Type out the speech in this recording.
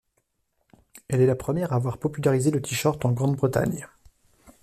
Elle est la première à avoir popularisé le t-shirt en Grande-Bretagne.